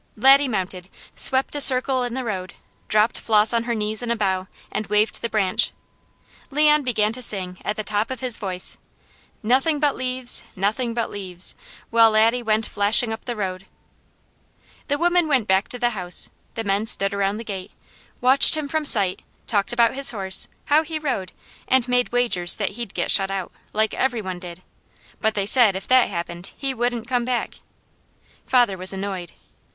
Laddie mounted, swept a circle in the road, dropped Flos on her knees in a bow, and waved the branch. Leon began to sing at the top of his voice, "Nothing but leaves, nothing but leaves," while Laddie went flashing up the road. The women went back to the house; the men stood around the gate, watched him from sight, talked about his horse, how he rode, and made wagers that he'd get shut out, like every one did, but they said if that happened he wouldn't come back. Father was annoyed.